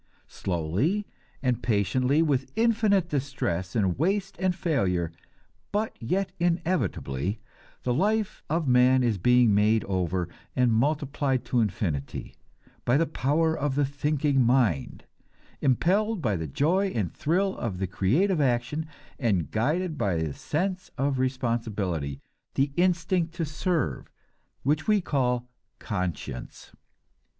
Slowly and patiently, with infinite distress and waste and failure, but yet inevitably, the life of man is being made over and multiplied to infinity, by the power of the thinking mind, impelled by the joy and thrill of the creative action, and guided by the sense of responsibility, the instinct to serve, which we call conscience.